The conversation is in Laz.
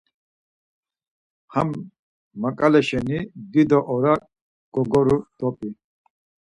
Ham mak̆ale şeni dido ora gogoru dop̆i.